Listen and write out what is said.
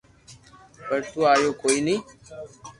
پر تو آيو ڪوئي ني